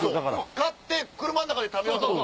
買って車の中で食べようと。